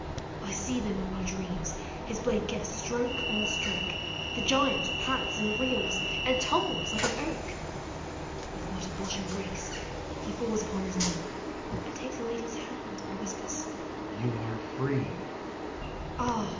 I see them in my dreams— his blade gives stroke on stroke, The giant pants and reels— and tumbles like an oak! • With what a blushing grace— he falls upon his knee And takes the lady's hand— and whispers, " You arc free! " Ah!